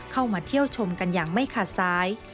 เข้ามาเที่ยวชมกันอย่างไม่ขาดซ้าย